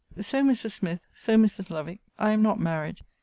'So Mrs. Smith, so Mrs. Lovick, I am not married.